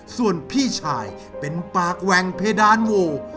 ส่วนพี่ชายเป็นปากแหว่งเพดานโว